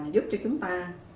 giúp cho chúng ta